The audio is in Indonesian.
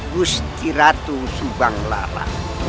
gusti ratu subang lara